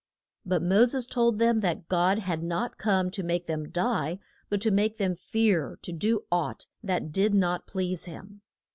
But Mo ses told them that God had not come to make them die, but to make them fear to do aught that did not please him.